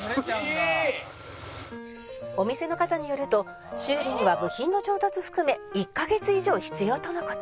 「お店の方によると修理には部品の調達含め１カ月以上必要との事。